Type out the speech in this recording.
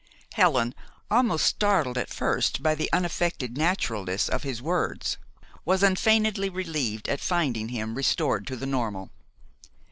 Helen, almost startled at first by the unaffected naturalness of his words, was unfeignedly relieved at finding him restored to the normal.